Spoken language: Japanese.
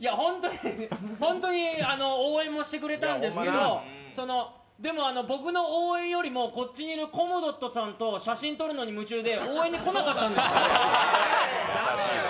本当に応援もしてくれたんですけど僕の応援よりもコムドットさんと写真撮るのに夢中で応援に来なかったんです。